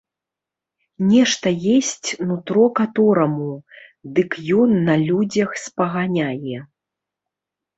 Нешта есць нутро катораму, дык ён на людзях спаганяе.